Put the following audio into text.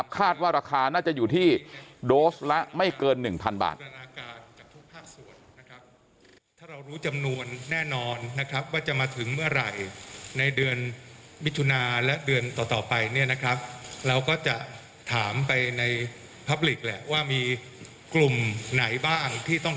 คาดว่าราคาน่าจะอยู่ที่โดสละไม่เกิน๑๐๐๐บาท